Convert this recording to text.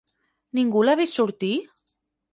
Ningú l'ha vist sortir?